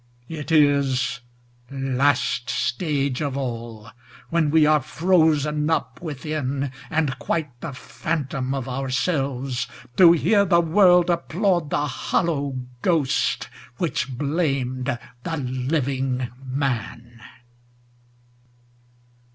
It is last stage of all When we are frozen up within, and quite The phantom of ourselves, To hear the world applaud the hollow ghost Which blamed the living man.